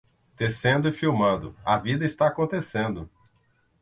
Tecendo e filmando, a vida está acontecendo.